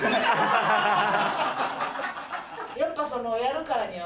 やっぱやるからには。